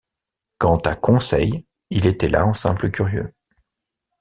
Quant à Conseil, il était là en simple curieux.